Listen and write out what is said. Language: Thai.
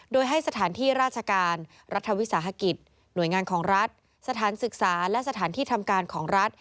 โดยให้สถานที่ราชการรัฐวิสาหกิจหน่วยงานของรัฐสถานศึกษาและสถานที่ทำการของรัฐ